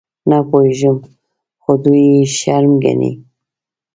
_نه پوهېږم، خو دوی يې شرم ګڼي.